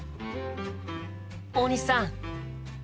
大西さん！